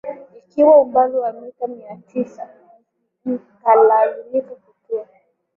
ikiwa umbali wa mita miatisa Nikalazimika kutua